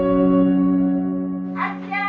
・あっちゃん！